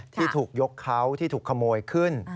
ที่ถูกยกเขาที่ถูกขโมยขึ้น